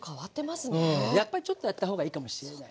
やっぱりちょっとやった方がいいかもしれない。